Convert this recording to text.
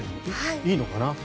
いいのかな？